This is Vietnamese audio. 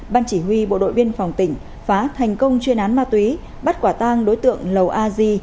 ban chỉ huy bộ đội biên phòng tỉnh phá thành công chuyên án ma túy bắt quả tang đối tượng lầu a di